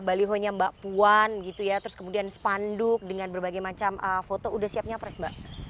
balihonya mbak puan gitu ya terus kemudian spanduk dengan berbagai macam foto udah siap nyapres mbak